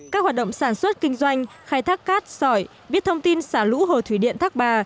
các hoạt động sản xuất kinh doanh khai thác cát sỏi biết thông tin xả lũ hồ thủy điện thác bà